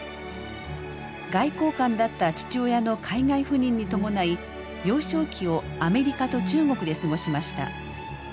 外交官だった父親の海外赴任に伴い幼少期をアメリカと中国で過ごしました。